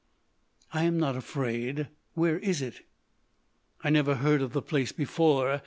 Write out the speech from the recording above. "I am not afraid.... Where is it?" "I never heard of the place before.